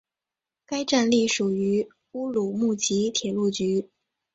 该站隶属乌鲁木齐铁路局。